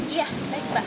iya baik mbak